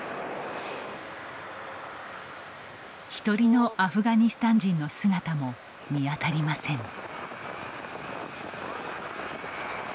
１人のアフガニスタン人の姿も見当たりません。